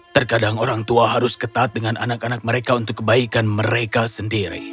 terkadang orang tua harus ketat dengan anak anak mereka untuk kebaikan mereka sendiri